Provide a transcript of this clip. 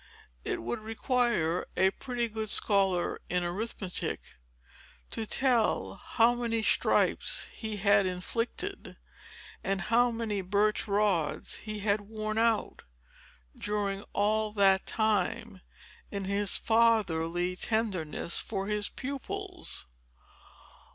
It would require a pretty good scholar in arithmetic to tell how many stripes he had inflicted, and how many birch rods he had worn out, during all that time, in his fatherly tenderness for his pupils.